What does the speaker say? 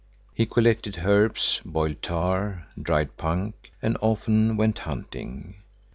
He collected herbs, boiled tar, dried punk, and often went hunting.